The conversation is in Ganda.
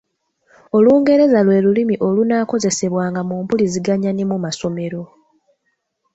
Olungereza lwe lulimi olunaakozesebwanga mu mpuliziganya ne mu masomero.